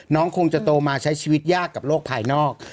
คงจะโตมาใช้ชีวิตยากกับโลกภายนอก